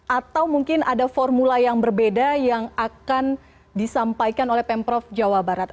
atau mungkin ada formula yang berbeda yang akan disampaikan oleh pemprov jawa barat